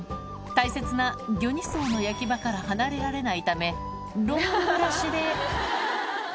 大切な魚ニソーの焼き場から離れられないため、ロングブラシで。